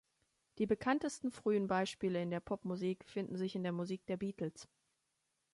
Die bekanntesten frühen Beispiele in der Popmusik finden sich in der Musik der Beatles.